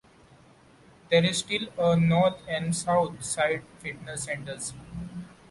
There is still a north and south side Fitness Centers.